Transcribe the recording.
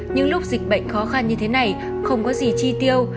những lúc dịch bệnh khó khăn như thế này không có gì chi tiêu